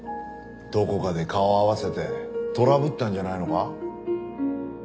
どこかで顔を合わせてトラブったんじゃないのか？